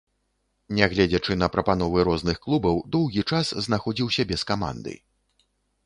Нягледзячы на прапановы розных клубаў, доўгі час знаходзіўся без каманды.